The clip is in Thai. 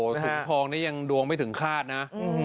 ถุงทองนี่ยังดวงไม่ถึงคาดนะ